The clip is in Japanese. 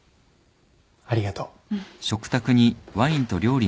ありがとう。